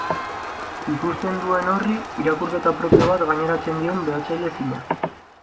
Ikusten duen horri irakurketa propio bat gaineratzen dion behatzaile fina.